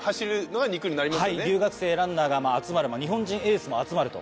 はい留学生ランナーが集まる日本人エースも集まると。